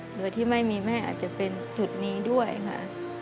หรือที่ไม่มีแม่อาจจะเป็นจุดนี้ด้วยค่ะ